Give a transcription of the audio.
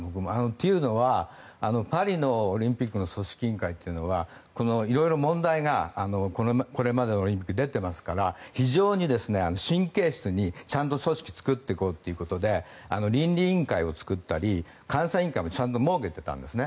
というのは、パリのオリンピックの組織委員会というのは色々、問題がこれまでのオリンピックで出てますから非常に神経質に、ちゃんと組織を作っていこうということで倫理委員会を作ったり監査委員会もちゃんと設けていたんですね。